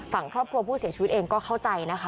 ฝั่งครอบครัวผู้เสียชีวิตเองก็เข้าใจนะคะ